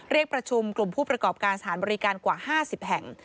เรียกประชุมกลุ่มผู้ประกอบการสถานบริการกว่า๕๐แห่ง